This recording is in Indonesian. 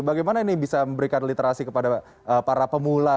bagaimana ini bisa memberikan literasi kepada para pemula